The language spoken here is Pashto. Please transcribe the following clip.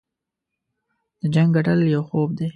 د جنګ ګټل یو خوب دی.